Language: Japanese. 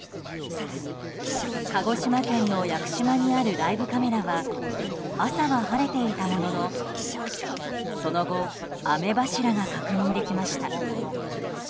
鹿児島県の屋久島にあるライブカメラは朝は晴れていたもののその後、雨柱が確認できました。